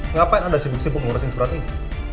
ngapain anda sibuk sibuk ngurusin surat ini